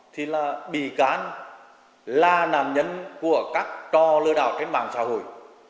thì là bị cán là nạn nhân của các trò lừa đảo trên mạng xã hội